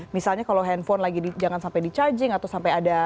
misalnya kalau handphone lagi jangan sampai di charging atau sampai ada